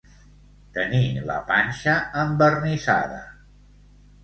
Tenir la panxa envernissada.